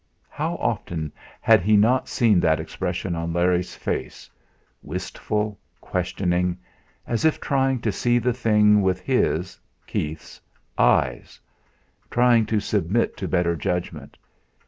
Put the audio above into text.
How often had he not seen that expression on Larry's face, wistful, questioning, as if trying to see the thing with his Keith's eyes, trying to submit to better judgment?